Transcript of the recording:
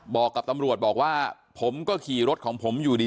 บอกกับตำรวจบอกว่าผมก็ขี่รถของผมอยู่ดี